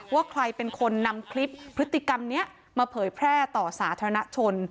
ว่าใครเป็นคนนำคลิปพฤติกรรมนี้มาเผยแพร่ต่อสาธารณชน